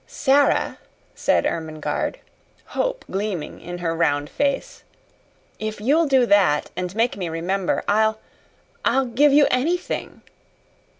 "Sara," said Ermengarde, hope gleaming in her round face, "if you'll do that, and make me remember, I'll I'll give you anything."